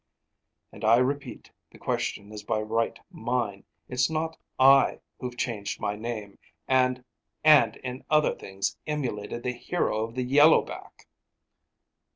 "And I repeat, the question is by right mine. It's not I who've changed my name and and in other things emulated the hero of the yellow back."